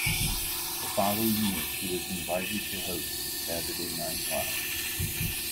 The following year she was invited to host "Saturday Night Live".